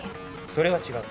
それは違う。